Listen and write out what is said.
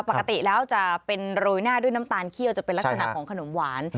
ปกติแล้วจะเป็นโรยหน้าด้วยน้ำตาลเขี้ยวจะเป็นลักษณะของขนมหวาน